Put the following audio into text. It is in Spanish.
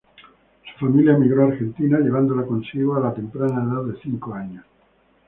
Su familia emigró a Argentina, llevándola consigo, a la temprana edad de cinco años.